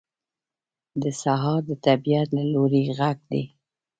سهار د طبیعت له لوري غږ دی.